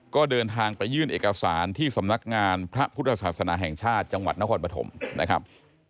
ก็เดินทางไปยื่นเอกสารที่สำนักงานพระพุทธศาสนาแห่งชาติจังหวัดนครปฐมนะครับ